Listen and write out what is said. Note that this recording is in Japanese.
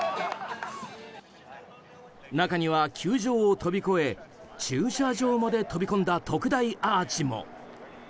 中には球場を飛び越え駐車場まで飛び込んだ特大アーチも。